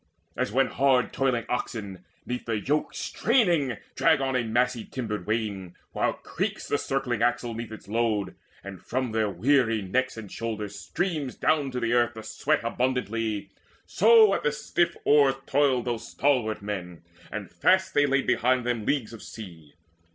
As when hard toiling oxen, 'neath the yoke Straining, drag on a massy timbered wain, While creaks the circling axle 'neath its load, And from their weary necks and shoulders streams Down to the ground the sweat abundantly; So at the stiff oars toiled those stalwart men, And fast they laid behind them leagues of sea.